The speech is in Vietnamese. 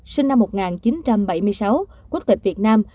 sinh năm một nghìn chín trăm bảy mươi sáu quốc tịch việt nam